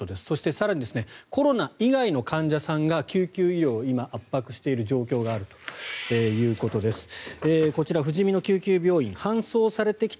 そして、更にコロナ以外の患者さんが救急医療を今、圧迫している状況があるということです。